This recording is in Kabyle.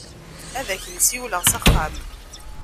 Ad ak-n-siwleɣ s axxam.